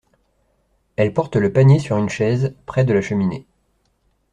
Elle porte le panier sur une chaise, près de la cheminée.